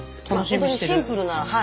ほんとにシンプルな。